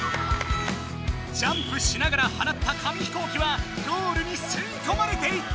ジャンプしながらはなった紙飛行機はゴールにすいこまれていった！